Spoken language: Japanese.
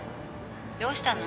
どうしたの？